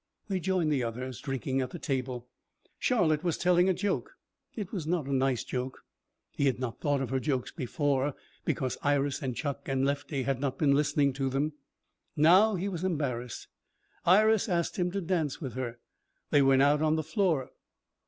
They joined the others, drinking at the table. Charlotte was telling a joke. It was not a nice joke. He had not thought of her jokes before because Iris and Chuck and Lefty had not been listening to them. Now, he was embarrassed. Iris asked him to dance with her. They went out on the floor.